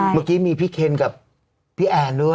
เมื่อกี้มีพี่เคนกับพี่แอนด้วย